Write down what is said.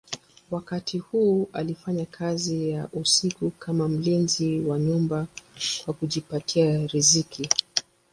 Wakati huu alifanya kazi ya usiku kama mlinzi wa nyumba kwa kujipatia riziki.